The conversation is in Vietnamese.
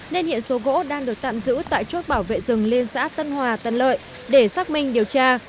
nên hiện số gỗ đang được tạm giữ tại chốt bảo vệ rừng liên xã tân hòa tân lợi để xác minh điều tra